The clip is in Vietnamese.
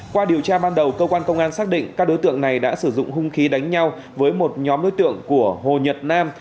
qua điều tra ban đầu cơ quan công an xác định các đối tượng này đã sử dụng hung khí đánh nhau với một nhóm đối tượng của hồ nhật nam